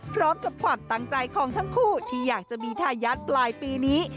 พร้อมกับความตั้งใจของทั้งคู่ที่อยากจะมีทายาทปลายปีนี้